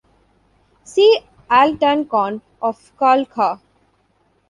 See Altan Khan of Khalkha.